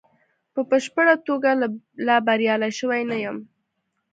په بشپړه توګه لا بریالی شوی نه یم.